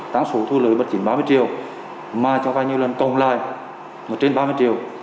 tán số thu lợi bất chỉnh ba mươi triệu mà cho vay nhiều lần tổng lại trên ba mươi triệu thì vẫn xử lý theo quy định bộ pháp luật